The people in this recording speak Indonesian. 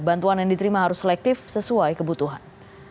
bantuan yang diterima harus selektif sesuai kebutuhan